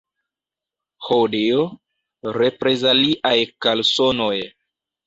Ho Dio, reprezaliaj kalsonoj!